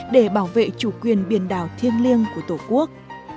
để bảo vệ chủ quyền biển đảo thiêng liêng của tổ quốc